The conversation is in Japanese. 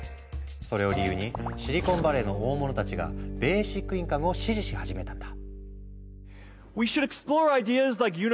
それを理由にシリコンバレーの大物たちがベーシックインカムを支持し始めたんだ。